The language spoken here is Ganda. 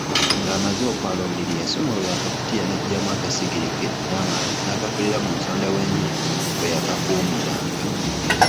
Ng’amaze okwala obuliri, yasumulula akakutiya n’aggyamu akasigiri ke n’amanda, n’akafunira mu nsonda w’enju we yakakuumiranga.